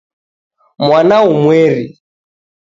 Mwana umweri